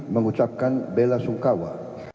mengucapkan bela sungkawa